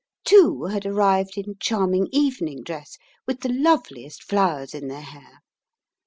Two had arrived in charming evening dress, with the loveliest flowers in their hair.